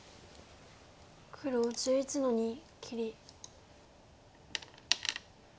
黒１１の二切り。